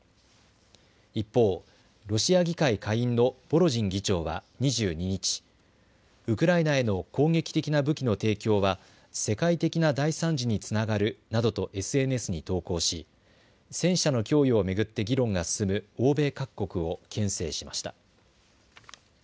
一方、ロシア議会下院のボロジン議長は２２日、ウクライナへの攻撃的な武器の提供は世界的な大惨事につながるなどとＳＮＳに投稿し、戦車の供与を巡って議論が進む欧米各国をけん制しました。